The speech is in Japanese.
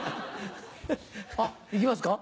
あっ行きますか？